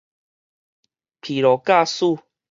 疲勞駕駛